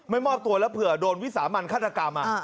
มอบตัวแล้วเผื่อโดนวิสามันฆาตกรรม